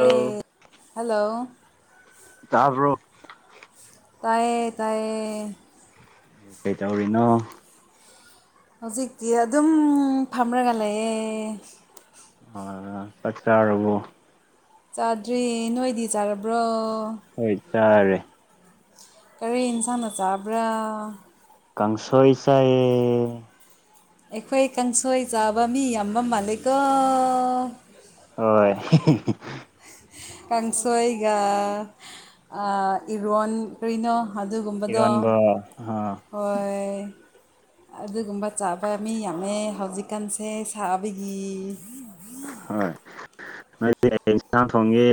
ꯑꯦ hello ꯇꯔꯕꯣ ꯇꯥꯏꯌꯦ ꯇꯥꯏꯌꯦ ꯀꯩꯇꯧꯔꯤꯅꯣ ꯍꯧꯖꯤꯛꯇꯤ ꯑꯗꯨꯝ ꯐꯝꯔꯒ ꯂꯩꯑꯌꯦ ꯑ ꯆꯠꯥꯔꯕꯨ ꯆꯥꯗ꯭ꯔꯤ ꯅꯣꯏꯗꯤ ꯆꯥꯔꯕ꯭ꯔꯣ ꯍꯣꯏ ꯆꯔꯦ ꯀꯔꯤ ꯏꯟꯁꯥꯡꯅ ꯆꯥꯕ꯭ꯔꯥ ꯀꯥꯡꯪꯁꯣꯏ ꯆꯥꯏꯦ ꯑꯩꯈꯣꯏ ꯀꯥꯡꯁꯣꯏ ꯆꯥꯕ ꯃꯤ ꯌꯥꯝꯕ ꯃꯥꯜꯂꯤꯦꯀꯣ ꯍꯣꯏ ꯀꯥꯡꯁꯣꯏꯒ ꯏꯔꯣꯟ ꯔꯔꯤꯅꯣ ꯑꯗꯨꯒꯨꯝꯕꯗꯣ ꯏꯔꯣꯟꯕ ꯑꯥ ꯑꯣꯏ ꯑꯗꯨꯒꯨꯝꯕ ꯆꯥꯕ ꯃꯤ ꯌꯥꯝꯃꯦ ꯍꯧꯖꯤꯛꯀꯥꯟꯁꯦ ꯁꯥꯕꯒꯤ ꯍꯣꯏ ꯅꯣꯏꯗꯤ ꯍꯌꯦꯡ ꯁꯟꯁꯥ ꯊꯣꯡꯒꯤ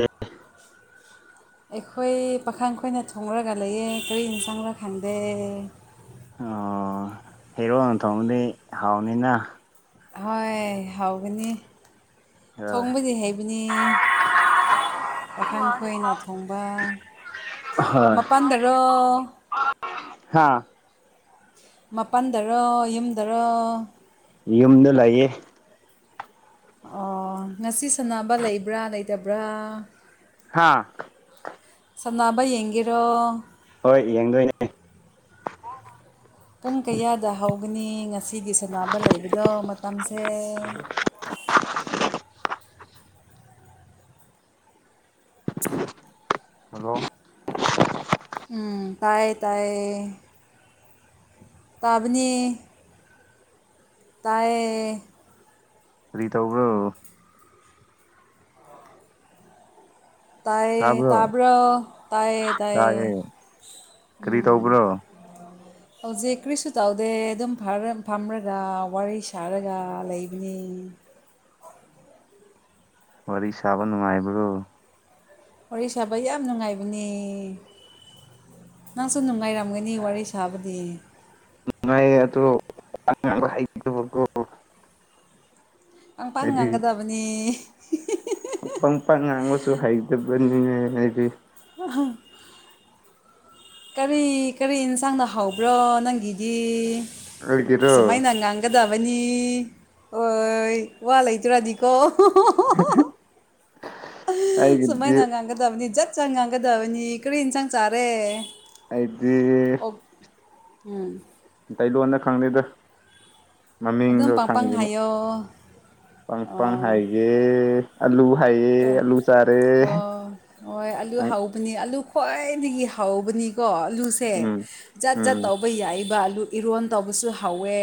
ꯑꯩꯈꯣꯏ ꯄꯥꯈꯪ ꯑꯩꯈꯣꯏꯅ ꯊꯣꯡꯡꯂꯒ ꯂꯩꯌꯦ ꯀꯔꯤꯅ ꯆꯪꯕ ꯈꯪꯗꯦ ꯑꯣ ꯍꯦꯔꯣꯟ ꯅ ꯊꯣꯡꯕꯗꯤ ꯍꯥꯎꯅꯤꯅ ꯍꯣꯏ ꯍꯥꯎꯒꯅꯤ ꯍꯣꯏ ꯊꯣꯡꯕꯗꯤ ꯍꯩꯕꯅꯤ ꯄꯥꯈꯥꯡ ꯈꯣꯏꯅ ꯊꯣꯡꯕ ꯃꯄꯥꯟꯗꯔꯣ ꯍꯥꯥ ꯃꯄꯜꯗꯔ ꯌꯨꯝꯗꯔ ꯌꯨꯝꯗ ꯂꯩꯌꯦ ꯑꯣ ꯉꯁꯤ ꯁꯥꯟꯅꯕ ꯂꯩꯕ꯭ꯔꯥ ꯂꯩꯇꯕ꯭ꯔꯥ ꯍꯥꯥ ꯁꯅꯥꯕ ꯌꯦꯡꯒꯔꯣ ꯍꯣꯏ ꯌꯦꯡꯗꯣꯏꯅꯦ ꯇꯒꯅꯤ ꯉꯁꯤꯒꯤ ꯁꯥꯟꯅꯕ ꯂꯩꯕꯗꯣ ꯃꯇꯝꯁꯦ ꯍꯂꯣ ꯎꯝ ꯇꯥꯏꯌꯦ ꯇꯌꯦ ꯇꯥꯕꯅꯤ ꯇꯥꯏ ꯔꯔꯤ ꯇ ꯎꯕ꯭ꯔꯣ ꯇꯥꯏ ꯇꯥꯕ꯭ꯔꯣ ꯇꯥꯕ ꯇꯥꯏ ꯇꯥꯏ ꯇꯥꯏꯌꯦ ꯀꯔꯤ ꯇꯧꯕ꯭ꯔꯣ ꯍꯧꯖꯤꯛ ꯀꯔꯤꯁꯨ ꯇꯧꯗꯦ ꯑꯗꯨꯝ ꯐꯝꯔꯒ ꯋꯥꯔꯤ ꯁꯥꯔꯒ ꯂꯩꯕꯅꯤ ꯎ ꯋꯥꯔꯤ ꯁꯥꯕ ꯅꯨꯡꯉꯥꯏꯕ꯭ꯔꯣ ꯋꯥꯔꯤ ꯁꯥꯕ ꯌꯥꯝ ꯅꯨꯡꯉꯥꯏꯕꯅꯦ ꯅꯪꯁꯨ ꯅꯨꯡꯉꯥꯏꯔꯝꯒꯅꯤ ꯋꯥꯔꯤ ꯁꯥꯕꯗꯤ ꯃꯥꯏ ꯇꯣ ꯍꯥꯏꯣ ꯑꯪꯄꯥꯡ ꯉꯥꯡꯒꯗꯕꯅꯤ ꯑꯄꯥ ꯃꯄꯥ ꯉꯥꯡꯁꯨ ꯍꯥꯏꯩꯗꯕꯅꯤꯅꯦꯗꯤ ꯑꯍ ꯀꯔꯤ ꯀꯔꯤ ꯌꯦꯟꯁꯥꯡꯅ ꯍꯕ꯭ꯔꯣ ꯅꯪꯒꯤꯗꯤ ꯑꯩꯒꯤꯔꯣ ꯁꯨꯃꯥꯏ ꯅꯉꯥꯡꯒꯗꯕꯅꯤ ꯑꯣ ꯋꯥ ꯂꯩꯇꯔꯥꯗꯤꯀꯣ ꯍ ꯁꯨꯃꯥꯏꯅ ꯉꯥꯡꯒꯗꯕꯅꯤ ꯖꯠ ꯆꯖ ꯉꯥꯡꯒꯗꯕꯅꯤ ꯀꯔꯤꯏ ꯏꯟꯁꯥꯡ ꯆꯥꯔꯦ ꯑꯗꯤ ꯑꯣꯛ ꯎꯝ ꯑꯩ ꯂꯣꯟꯗ ꯈꯪꯗꯦꯗ ꯑꯗꯨꯝ ꯃꯃꯤꯡꯗꯣ ꯄꯪꯄꯪ ꯈꯪꯒꯦ ꯍꯥꯏꯌꯣ ꯄꯪ ꯄꯪ ꯍꯥꯏꯒꯦ ꯑꯂꯨ ꯍꯥꯏꯌꯦ ꯑꯂꯨ ꯆꯥꯔꯦ ꯍꯣꯏ ꯍꯣꯏ ꯑꯂꯨ ꯍꯥꯎꯕꯅꯤ ꯑꯂꯨ ꯈ꯭ꯋꯥꯏꯗꯒꯤ ꯍꯧꯕꯅꯤꯀꯣ ꯑꯂꯨꯁꯦ ꯎꯝ ꯖꯠ ꯖꯠ ꯎꯝ ꯇꯧꯕ ꯌꯥꯏꯕ ꯑꯥꯂꯨ ꯑꯗꯨ ꯏꯔꯣꯟ ꯇꯧꯕꯁꯨ ꯍꯧꯋꯦ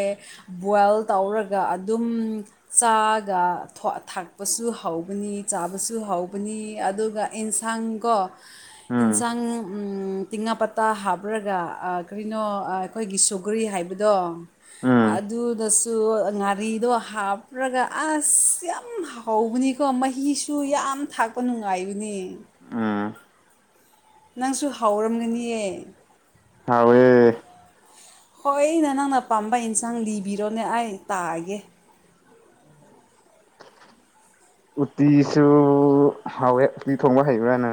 ꯕꯣꯏꯜ ꯇꯧꯔꯒ ꯑꯗꯨꯝ ꯆꯥꯒ ꯊꯥꯛꯄꯁꯨ ꯍꯧꯒꯅꯤ ꯆꯥꯕꯁꯨ ꯍꯧꯕꯅꯤ ꯑꯗꯨꯒ ꯑꯦꯟꯁꯥꯡ ꯀꯣ ꯎꯝ ꯌꯦꯟꯁꯥꯡ ꯇꯤꯉꯥ ꯄꯇꯥ ꯍꯥꯞꯔꯒ ꯀꯔꯤꯅꯣ ꯑꯩꯈꯣꯏꯒꯤ ꯁꯨꯒ꯭ꯔꯤ ꯍꯥꯏꯕꯗꯣ ꯎꯝ ꯑꯗꯨꯗ ꯁꯨ ꯉꯥꯔꯤꯗꯣ ꯍꯥꯞ꯭ꯔꯒ ꯑꯁ ꯌꯥꯝ ꯍꯥꯎꯧꯕꯅꯤꯀꯣ ꯃꯩ ꯑꯩꯁꯨ ꯌꯥꯝ ꯊꯥꯛꯄ ꯅꯨꯡꯉꯥꯏꯕꯅꯤ ꯎꯝ ꯅꯪꯁꯨ ꯍꯥꯎꯔꯝꯒꯅꯤꯑ ꯍꯋꯦ ꯍꯣꯏ ꯑꯩꯅ ꯅꯪꯅ ꯄꯥꯝꯕ ꯏꯟꯁꯥꯡ ꯂꯤꯕꯤꯔꯣꯅꯦ ꯑꯩ ꯇꯥꯛꯑꯒꯦ [unintelligible] ꯎꯇꯤꯁꯨ ꯍꯥꯎꯋꯦ ꯎꯇꯤ ꯊꯣꯡꯕ ꯍꯩꯕꯅ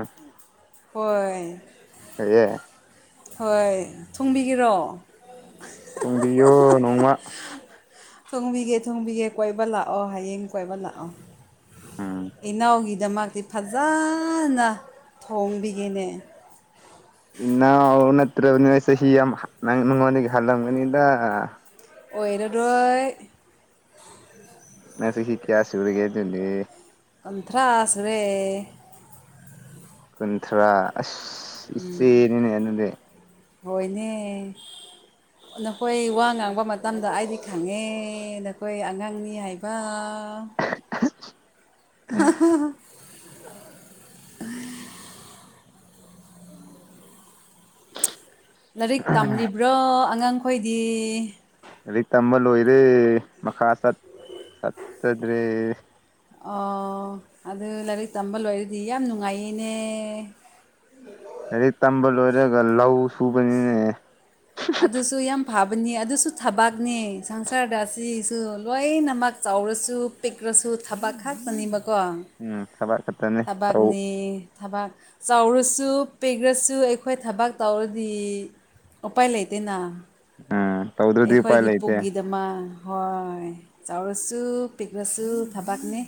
ꯍꯣꯏ ꯍꯌꯦꯦ ꯍꯣꯏ ꯊꯨꯡꯕꯤꯒꯔꯣ ꯊꯣꯡꯕꯤꯌꯣ ꯅꯣꯡꯃ ꯊꯣꯡꯕꯤꯒꯦ ꯊꯣꯡꯕꯤꯒꯦ ꯀꯣꯏꯕ ꯂꯥꯛꯑꯣ ꯍꯌꯦꯡ ꯀꯣꯏꯕ ꯂꯥꯛꯑꯣ ꯎꯝ ꯏꯅꯥꯎꯒꯤꯗꯃꯛ ꯑꯗꯨꯗꯤ ꯐꯖꯅ ꯊꯣꯡꯕꯤꯒꯅꯦ ꯏꯟꯅ ꯅꯠꯇ꯭ꯔꯕꯅꯤꯁ ꯍ ꯌꯥꯝ ꯅꯪ ꯅꯉꯣꯟꯒ ꯍꯜꯂꯂꯝꯒꯅꯤꯗ ꯑꯣꯏꯅꯗꯣꯏ ꯉꯁꯁꯤ ꯀꯌꯥꯁꯤ ꯎꯔꯒꯦꯗꯨꯂꯦ ꯑꯟꯊꯔꯥꯁ ꯔ ꯀꯨꯟꯊ꯭ꯔꯥ ꯑꯁ ꯏꯆꯦꯅꯤꯅꯦ ꯑꯗꯨꯗꯤ ꯍꯣꯏꯅꯦ ꯅꯈꯣꯏ ꯋꯥ ꯉꯥꯡꯕ ꯃꯇꯝꯗ ꯑꯩꯗꯤ ꯈꯪꯉꯦ ꯅꯈꯣꯏ ꯑꯉꯥꯡꯅꯤ ꯍꯥꯏꯕ ꯑ ꯑ ꯂꯥꯏꯔꯤꯛ ꯇꯝꯔꯤꯕ꯭ꯔꯣ ꯑꯉꯥꯡꯈꯣꯏꯗꯤ ꯂꯥꯏꯔꯤꯛ ꯇꯝꯕ ꯂꯣꯏꯔꯦ ꯃꯈꯥꯠ ꯆꯠꯇꯗ꯭ꯔꯦ ꯑꯣ ꯑꯗꯨ ꯂꯥꯏꯔꯤꯛ ꯇꯝꯕ ꯂꯣꯏꯔꯗꯤ ꯌꯥꯝ ꯅꯨꯡꯉꯥꯏꯅꯦ ꯎꯝ ꯂꯥꯏꯔꯤꯛ ꯇꯝꯕ ꯂꯣꯏꯔꯒ ꯂꯧ ꯁꯨꯕꯅꯤꯅꯦ ꯑꯗꯨꯁꯨ ꯌꯥꯝ ꯐꯥꯕ ꯅꯤ ꯑꯗꯨꯁꯨ ꯊꯕꯥꯛꯅꯤ ꯁꯪꯁꯥꯔꯗ ꯑꯁꯤꯁꯨ ꯂꯣꯏꯅꯃꯛ ꯆꯥꯎꯔꯁꯨ ꯄꯤꯛꯂꯁꯨ ꯑꯗꯨ ꯊꯕꯛ ꯈꯥꯛꯛꯇꯅꯦꯕꯀꯣ ꯎꯝ ꯊꯕꯛ ꯈꯛꯇꯅꯦ ꯇꯧ ꯊꯕꯥꯛꯅꯤ ꯊꯕꯥꯛ ꯆꯥꯎꯔꯁꯨ ꯄꯤꯈ꯭ꯔꯁꯨ ꯑꯩꯈꯣꯏ ꯊꯕꯥꯛ ꯇꯧꯔꯗꯤ ꯎꯄꯥꯏ ꯂꯩꯇꯅ ꯎꯝ ꯇꯧꯗ꯭ꯔꯗꯤ ꯎꯄꯥꯏ ꯑꯩꯈꯣꯏꯒꯤ ꯂꯩꯇꯦ ꯄꯨꯛꯒꯤꯗꯃꯛ ꯍꯣꯏ ꯆꯥꯎꯔꯁꯨ ꯄꯤꯛꯔꯁꯨ ꯊꯕꯥꯛꯅꯦ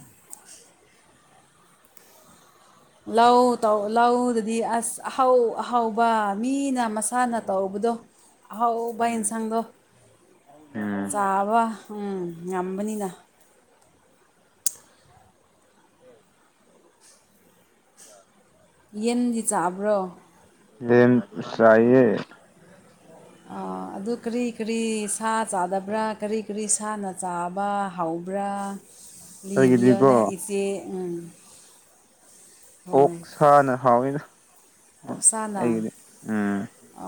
ꯂꯧ ꯂꯧꯗꯗꯤ ꯑꯁ ꯑꯍꯥꯎ ꯑꯍꯥꯎꯕ ꯃꯤꯅ ꯃꯁꯥꯅ ꯇꯧꯕ ꯑꯗꯨꯗꯣ ꯑꯍꯥꯎꯕ ꯎꯝ ꯌꯦꯟꯁꯥꯡꯗꯣ ꯎꯝ ꯆꯥꯕ ꯎꯝ ꯉꯝꯕꯅꯤꯅ ꯍ ꯌꯦꯟꯗꯤ ꯆꯥꯕ꯭ꯔꯣ ꯂꯩ ꯆꯥꯏꯌꯦ ꯑꯗꯨ ꯀꯔꯤ ꯀꯔꯤ ꯁꯥ ꯆꯥꯗꯕ꯭ꯔꯥ ꯀꯔꯤ ꯀꯔꯤ ꯁꯥꯅ ꯆꯥꯕ ꯍꯥꯎ ꯇꯕ꯭ꯔꯥ ꯑꯩꯒꯤꯗꯤꯀꯣ ꯂꯤꯕꯤꯌꯅꯦ ꯏꯆꯦ ꯑꯣꯁꯥꯅ ꯍꯥꯎꯋꯏꯅ ꯑꯣꯞꯁꯅꯥ ꯑ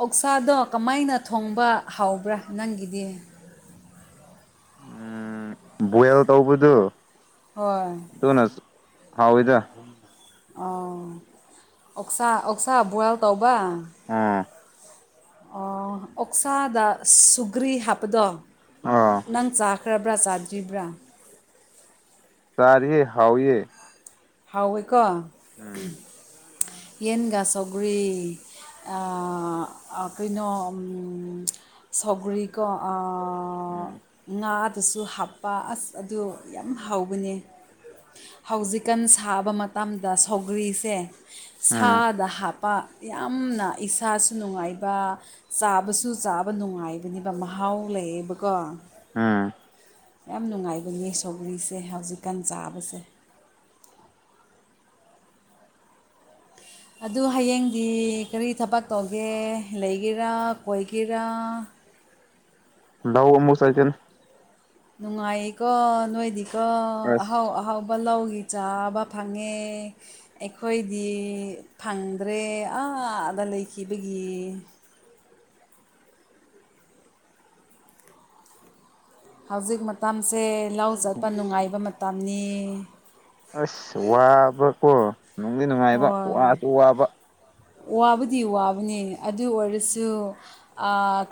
ꯑꯣꯛꯁꯥꯗꯣ ꯀꯃꯥꯏꯅ ꯊꯣꯡꯕ ꯍꯥꯎꯕ꯭ꯔꯥ ꯅꯪꯒꯤꯗꯤ ꯎꯝ ꯕꯣꯏꯜ ꯇꯧꯕꯗꯨ ꯍꯣꯏ ꯍꯥꯎꯗ ꯑꯣ ꯑꯣꯁꯥ ꯑꯣꯛꯁꯥ ꯕꯨꯔꯥꯜ ꯇꯧꯕ ꯎꯝ ꯑꯣꯛꯁꯥꯗ ꯁꯨꯒ꯭ꯔꯤ ꯍꯥꯞꯄꯗꯣ ꯑꯣ ꯅꯪ ꯆꯥꯈ꯭ꯔꯕ ꯄ꯭ꯔꯆꯥꯥꯔꯖꯤꯕ꯭ꯔꯥ ꯁꯔꯍꯤ ꯍꯥꯎꯥꯎꯦ ꯍꯥꯎꯋꯦꯀꯣ ꯌꯦꯟꯒ ꯆꯧꯒꯔꯤ ꯀꯩꯅꯣ ꯁꯒꯔꯤ ꯀ ꯎꯝ ꯉꯥꯛ ꯑꯗꯨꯁꯨ ꯍꯥꯞꯄ ꯑꯁ ꯑꯗꯨ ꯌꯥꯝ ꯍꯥꯎꯕꯅꯦ ꯍꯧꯖꯤꯛꯀꯥꯟ ꯁꯥꯕ ꯃꯇꯝꯗ ꯁꯧꯒ꯭ꯔꯤꯁꯦ ꯎꯝ ꯁꯥꯗ ꯍꯥꯞꯄ ꯌꯥꯝꯅ ꯏꯁ ꯏꯁꯁꯨ ꯅꯨꯡꯉꯥꯏꯕ ꯆꯥꯕꯁꯨ ꯆꯥꯕ ꯅꯨꯡꯉꯥꯏꯕꯅꯦꯕ ꯃꯍꯥꯎ ꯂꯩꯌꯦꯕꯀꯣ ꯑꯥ ꯌꯥꯝ ꯅꯨꯡꯉꯥꯏꯕꯅꯦ ꯁꯧꯒ꯭ꯔꯤꯁꯦ ꯍꯧꯖꯤꯛꯀꯥꯟ ꯆꯥꯕꯁꯦ ꯑꯗꯨ ꯍꯌꯦꯡꯗꯤ ꯀꯔꯤ ꯊꯕꯛ ꯇꯧꯒꯦ ꯂꯩꯒꯦꯔꯥ ꯀꯣꯏꯒꯦꯔꯥ [unintelligible] ꯎ ꯌꯨ ꯁꯦꯡ ꯅꯨꯡꯉꯥꯏꯌꯦꯀꯣ ꯅꯣꯏꯗꯤꯀꯣ ꯑꯍꯥꯎ ꯑꯁ ꯑꯍꯥꯎꯕ ꯂꯧꯏ ꯆꯥꯕ ꯐꯪꯉꯦ ꯑꯩꯈꯣꯏꯗꯤ ꯐꯪꯗ꯭ꯔꯦ ꯑꯥꯗ ꯂꯩꯈꯤꯕꯒꯤ ꯍꯧꯖꯤꯛ ꯃꯇꯝꯁꯦ ꯂꯧ ꯆꯠꯄ ꯅꯨꯡꯉꯥꯏꯕ ꯃꯇꯝꯅꯤ ꯑꯁ ꯋꯥꯕꯀꯣ ꯅꯨꯡꯗꯤ ꯅꯨꯡꯉꯥꯏꯕ ꯍꯣꯏ ꯋꯥꯁꯨ ꯋꯥꯕ ꯋꯥꯕꯨꯗꯤ ꯋꯥꯕꯅꯤ ꯑꯗꯨ ꯑꯣꯏꯔꯁꯨ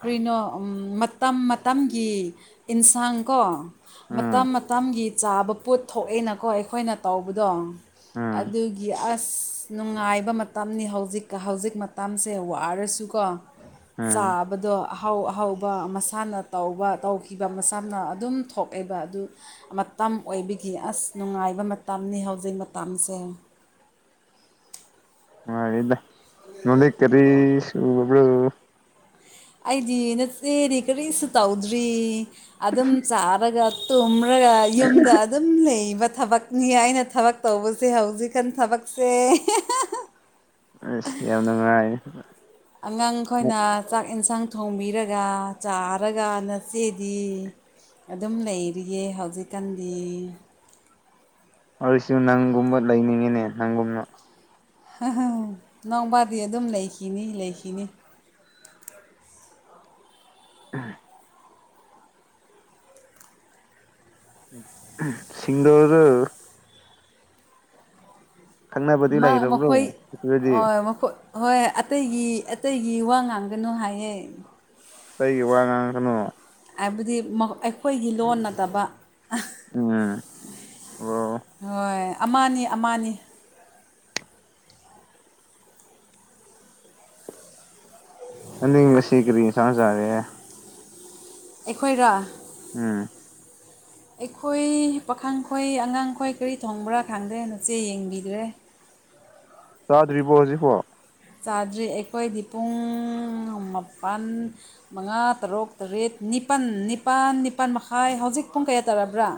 ꯀꯔꯤꯅꯣ ꯃꯇꯝ ꯃꯇꯝꯒꯤ ꯏꯟꯁꯥꯡ ꯀꯣ ꯃꯇꯝ ꯎꯝ ꯃꯇꯝꯒꯤ ꯆꯥꯕ ꯄꯣꯠ ꯊꯣꯛꯑꯦꯅꯀꯣ ꯑꯩꯈꯣꯏꯅ ꯇꯧꯕꯗꯣ ꯎꯝ ꯑꯗꯨꯒꯤ ꯑꯁ ꯑꯁ ꯅꯨꯡꯉꯥꯏꯕ ꯃꯇꯝꯅꯤ ꯍꯧꯖꯤꯛꯀ ꯍꯧꯖꯤꯛ ꯃꯇꯝꯁꯦ ꯋꯥꯔꯁꯨꯀꯣ ꯎꯝ ꯆꯥꯕꯗꯣ ꯑꯍꯥꯎ ꯑꯍꯥꯎꯕ ꯃꯁꯥꯅ ꯇꯧꯕ ꯇꯧꯈꯤꯕ ꯃꯁꯥꯅ ꯑꯗꯨꯝ ꯊꯣꯛꯑꯦꯕ ꯑꯗꯨ ꯃꯇꯝ ꯑꯣꯏꯕꯤꯒꯤ ꯑꯁ ꯅꯨꯡꯉꯥꯏꯕ ꯃꯇꯝꯅꯤ ꯍꯧꯖꯤꯛ ꯃꯇꯝꯁꯦ ꯑ ꯏꯗ ꯅ ꯀꯔꯤꯁꯨ ꯑꯣꯕ ꯑꯩꯗꯤ ꯅꯠꯇꯦꯗꯤ ꯀꯔꯤꯁꯨ ꯇꯧꯗ꯭ꯔꯤ ꯑꯗꯨꯝ ꯆꯥꯔꯒꯨꯝ ꯔꯒ ꯌꯨꯝꯗ ꯑꯗꯨꯝ ꯂꯩ ꯊꯕꯛꯅꯤ ꯍꯥꯏꯅ ꯊꯕꯛ ꯇꯧꯕꯁꯦ ꯍꯧꯖꯤꯛꯀꯥꯟ ꯊꯕꯛꯁꯦ ꯑꯁꯤ ꯌꯥꯝꯅ ꯑꯉꯥꯡꯈꯣꯏꯅ ꯆꯥꯛ ꯌꯦꯟꯁꯥꯡ ꯊꯣꯡꯕꯤꯔꯒ ꯆꯥꯔꯒ ꯅꯆꯦꯗꯤ ꯑꯗꯨꯝ ꯂꯩꯔꯤꯌꯦ ꯍꯧꯖꯤꯛꯀꯥꯟꯗꯤ ꯋꯥꯔꯤꯁꯨ ꯅꯪꯒꯨꯝꯕ ꯂꯩꯅꯤꯡꯉꯤꯅꯦ ꯅꯪꯒꯨꯝꯅ ꯅꯅꯥꯎꯄꯥꯗꯤ ꯑꯗꯨꯝ ꯂꯩꯈꯤꯅꯤ ꯂꯩꯈꯤꯅꯤ ꯑ ꯁꯤꯁꯤꯡꯒꯔ ꯈꯪꯅꯕꯗꯤ ꯃꯥ ꯃꯈꯣꯏ ꯂꯩꯔꯕ꯭ꯔꯣ ꯑꯗꯨꯗꯤ ꯃꯈꯣꯏ ꯍꯣꯏ ꯑꯇꯩꯒꯤ ꯑꯇꯩꯒꯤ ꯋꯥ ꯉꯥꯡꯒꯅꯨ ꯍꯥꯏꯌꯦꯦ ꯀꯒꯤ ꯋꯥ ꯉꯥꯡꯈꯅꯣ ꯍꯥꯏꯕꯗꯤ ꯑꯩꯈꯣꯏꯒꯤ ꯂꯣꯟ ꯅꯠꯇꯕ ꯎꯝ ꯑꯣ ꯍꯣꯏ ꯑꯃꯅꯤ ꯑꯃꯅꯤ ꯑꯕꯁꯤꯈꯔꯤ ꯁ ꯆꯔꯦ ꯑꯩꯈꯣꯏꯗ ꯎꯝ ꯎ ꯑꯩꯈꯣꯏ ꯄꯥꯈꯪꯈꯣꯏ ꯑꯉꯥꯡꯈꯣꯏ ꯀꯔꯤ ꯊꯣꯡꯕ꯭ꯔꯥ ꯈꯪꯗ꯭ꯔꯦ ꯃꯆꯦ ꯌꯦꯡꯕꯤꯗ꯭ꯔꯦ [unintelligible] ꯄꯗꯔꯤꯕ ꯍꯧꯖꯤ ꯍꯣ ꯆꯥꯗ꯭ꯔꯤ ꯑꯩꯈꯣꯏꯗꯤ ꯄꯨꯡ ꯃꯥꯄꯜ ꯃꯉꯥ ꯇꯔꯨꯛ ꯇꯔꯦꯠ ꯅꯤꯄꯥꯜ ꯅꯤꯄꯥꯜ ꯅꯤꯄꯥꯜ ꯃꯈꯥꯏ ꯍꯧꯖꯤꯛ ꯄꯨꯡ ꯀꯌꯥ ꯇꯥꯔꯕ꯭ꯔꯥ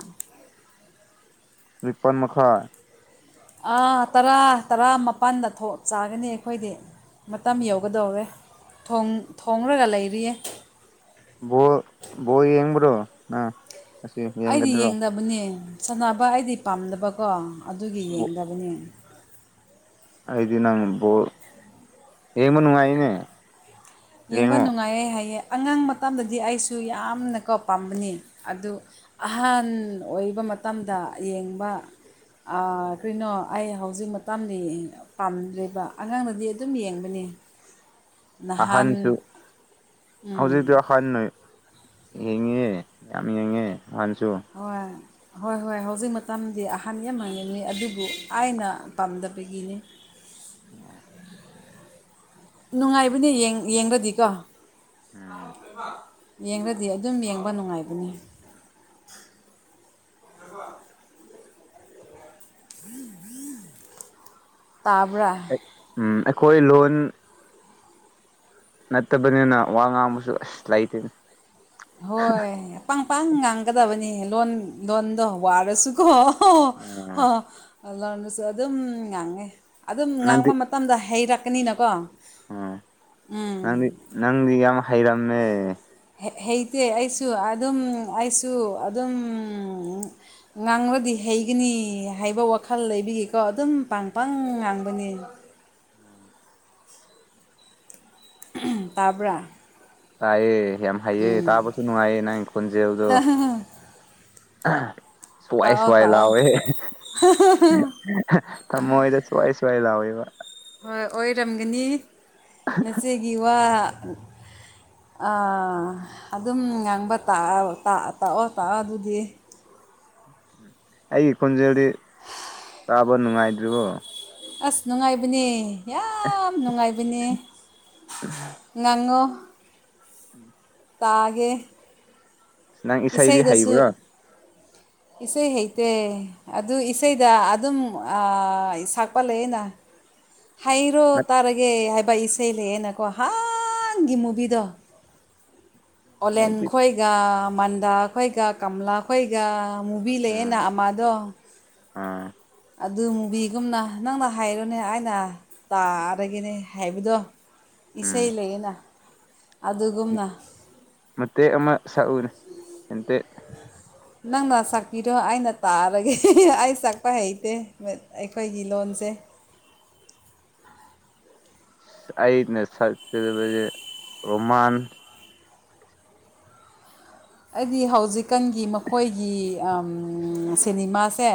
ꯔꯤꯄꯟ ꯃꯈꯥ ꯑ ꯇꯔꯥ ꯇꯔꯥꯃꯄꯜꯗ ꯊꯣꯛ ꯆꯥꯒꯅꯤ ꯑꯩꯈꯣꯏꯗꯤ ꯃꯇꯝ ꯌꯧꯒꯗꯧꯔꯦ ꯊꯣꯡꯂꯒ ꯂꯩꯔꯤꯌꯦ ꯑꯝ ꯑꯩꯗꯤ ꯌꯦꯡꯗꯕꯅꯤ ꯁꯥꯟꯅꯕ ꯑꯩꯗꯤ ꯄꯥꯝꯗꯕꯀꯣ ꯑꯗꯨꯒꯤ ꯌꯦꯡꯗꯕꯅꯤ ꯑꯩꯗꯤꯅꯪ ꯍꯃ ꯅꯨꯡꯉꯥꯏꯅꯦ ꯌꯦꯡꯕ ꯌꯦꯡꯉꯣ ꯅꯨꯡꯉꯥꯏꯔꯦ ꯍꯥꯏꯌꯦ ꯑꯉꯥꯡ ꯃꯇꯗꯗꯤ ꯑꯩꯁꯨ ꯌꯥꯝꯅ ꯀꯣ ꯄꯥꯝꯕꯅꯤ ꯑꯗꯨ ꯑꯍꯟ ꯑꯣꯏꯕ ꯃꯇꯝꯗ ꯌꯦꯡꯕ ꯀꯩꯅꯣ ꯑꯩ ꯍꯧꯖꯤꯛ ꯃꯇꯥꯗꯤ ꯄꯥꯝꯗ꯭ꯔꯦꯕ ꯑꯉꯥꯡꯅꯗꯤ ꯑꯗꯨꯝ ꯌꯦꯡꯕꯅꯦ [unintelligible] ꯑꯁꯥꯟꯅꯤꯁꯨ ꯍꯧꯖꯤ ꯑꯁꯥꯟ ꯅꯣꯏ ꯌꯦꯡꯉꯦ ꯌꯥꯝ ꯌꯦꯡꯉꯦ ꯑꯍꯟꯁꯨ ꯑ ꯍꯣꯏ ꯍꯣꯏ ꯍꯧꯖꯤꯛ ꯃꯇꯝꯗꯤ ꯑꯍꯥꯟꯕ ꯌꯥꯝ ꯍꯪꯉꯤꯉꯤ ꯑꯗꯨꯕꯨ ꯑꯩꯅ ꯄꯥꯝꯗꯕꯒꯤꯅꯤ ꯎꯝ ꯅꯨꯡꯉꯥꯏꯕꯅꯦ ꯌꯦꯡꯒꯗꯤꯀꯣ ꯎꯝ ꯌꯦꯡꯉꯗꯤ ꯑꯗꯨꯝ ꯌꯦꯡꯕ ꯅꯨꯡꯉꯥꯏꯒꯅꯤ ꯇꯥꯕ꯭ꯔꯥ ꯎꯝ ꯑꯩꯈꯣꯏ ꯂꯣꯟ ꯅꯠꯇꯕꯅꯤꯅ ꯋꯥ ꯉꯥꯡꯕꯁꯨ ꯑꯁ ꯂꯩꯇꯦꯅꯦ ꯍꯣꯏ ꯄꯥꯡ ꯄꯥꯡ ꯉꯥꯡꯒꯗꯕꯅꯤ ꯂꯣꯟ ꯂꯣꯟꯗꯣ ꯋꯥꯔꯁꯨꯀꯣ ꯑꯣ ꯍ ꯂꯣꯟꯅꯁꯨ ꯑꯗꯨꯝ ꯉꯥꯡꯉꯦ ꯑꯗꯨꯝ ꯉꯥꯡꯕ ꯃꯇꯝꯗ ꯍꯩꯔꯛꯀꯅꯤꯅꯀꯣ ꯎ ꯎꯝ ꯅꯪꯗꯤ ꯅꯪꯗꯤ ꯌꯥꯝ ꯍꯩꯔꯝꯃꯦ ꯍꯩꯇꯦ ꯑꯩꯁꯨ ꯑꯗꯨꯝ ꯑꯩꯁꯨ ꯑꯗꯨꯝ ꯉꯥꯡꯂꯗꯤ ꯍꯩꯒꯅꯤ ꯍꯥꯏꯕ ꯋꯥꯈꯜ ꯂꯩꯕꯤꯒꯤꯀꯣ ꯑꯗꯨꯝ ꯄꯥꯡ ꯄꯥꯡ ꯉꯥꯡꯕꯅꯤ ꯎ ꯇꯥꯕ꯭ꯔ ꯇꯥꯏꯑ ꯌꯥꯝ ꯍꯩꯑ ꯇꯥꯕꯁꯨ ꯅꯨꯡꯉꯥꯏꯌꯦ ꯅꯪ ꯈꯣꯟꯖꯦꯜꯦꯜꯗꯣ ꯑ ꯁ꯭ꯋꯥꯏ ꯇꯥꯛꯑꯣ ꯁ꯭ꯋꯥꯏ ꯇꯥꯛꯑꯣ ꯂꯑꯣꯦ ꯊꯝꯃꯣꯣꯏꯗ ꯁ꯭ꯋꯥꯏ ꯆꯋ ꯂꯑꯣꯦ ꯍꯣꯏ ꯑꯣꯏꯔꯝꯒꯅꯤ ꯃꯆꯦꯒꯤ ꯋꯥ ꯑꯗꯨꯝ ꯉꯥꯡꯕ ꯇꯥꯛ ꯇꯥꯛꯑꯣ ꯇꯥꯛꯑꯣ ꯑꯗꯨꯗꯤ [unintelligible] ꯑꯩ ꯈꯨꯟꯖꯣꯗꯤ ꯕ ꯅꯨꯡꯉꯥꯏꯗ꯭ꯔꯤꯕꯣ ꯑꯁ ꯅꯨꯡꯉꯥꯏꯕꯅꯦ ꯌꯥꯝ ꯅꯨꯡꯉꯥꯏꯕꯅꯦ ꯉꯥꯡꯉꯣ ꯎꯝ ꯇꯥꯒꯦ ꯅꯪ ꯏꯁꯩꯗꯤ ꯏꯁꯩꯗꯁꯨ ꯍꯩꯕ꯭ꯔꯣ ꯏꯁꯩ ꯍꯩꯇꯦ ꯑꯗꯨ ꯏꯁꯩꯗ ꯑꯗꯨꯝ ꯁꯛꯄ ꯂꯩꯌꯦꯅ ꯍꯥꯏꯔꯣ ꯅꯠ ꯇꯥꯔꯒꯦ ꯍꯥꯏ ꯄꯩꯁꯩ ꯂꯩꯌꯦꯅꯀꯣ ꯍꯒꯤ ꯃꯨꯕꯤꯗꯣ ꯑꯣꯂꯦꯟ ꯑꯩꯗꯤ ꯈꯣꯏꯒ ꯃꯟꯗꯥ ꯈꯣꯏꯒ ꯀꯝꯂꯥ ꯈꯣꯏꯒ ꯃꯨꯚꯤ ꯂꯩꯅꯃꯗꯣ ꯑꯝ ꯑꯗꯨ ꯃꯨꯚꯤꯒꯨꯝꯅ ꯅꯪꯅ ꯍꯥꯏꯔꯣꯅꯦ ꯑꯩꯅ ꯇꯥꯔꯒꯅꯦ ꯍꯥꯏꯕꯗꯣ ꯏꯁꯩ ꯎꯝ ꯂꯩꯅ ꯑꯗꯨꯒꯨꯝꯅ ꯁꯦꯟꯇꯦꯛ ꯑꯃ ꯁꯛꯎꯅꯦ ꯁꯦꯟꯇꯦꯛ ꯅꯪꯅ ꯁꯥꯛꯄꯤꯔꯣ ꯑꯩꯅ ꯇꯥꯔꯒꯦ ꯑꯩ ꯁꯛꯄ ꯍꯩꯇꯦ ꯑꯩꯈꯣꯏꯒꯤ ꯂꯣꯟꯗ ꯖꯦ ꯑꯩꯅ ꯁꯛꯆꯕꯁꯦ ꯔꯣꯃꯥꯟ ꯑꯩꯗꯤ ꯍꯧꯖꯤꯛꯀꯥꯟꯒꯤ ꯃꯈꯣꯏꯒꯤ ꯁꯤꯅꯤꯃꯥꯁꯦ